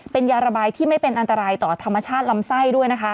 เป็นยาระบายที่ไม่เป็นอันตรายต่อธรรมชาติลำไส้ด้วยนะคะ